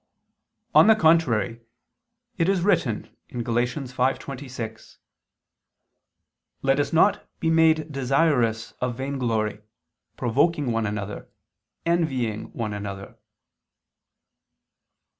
On the contrary, It is written (Gal. 5:26): "Let us not be made desirous of vainglory, provoking one another, envying one another."